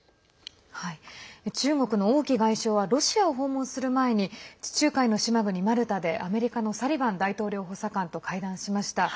中国の王毅外相はロシアを訪問する前に地中海の島国マルタでアメリカのサリバン大統領補佐官と会談しました。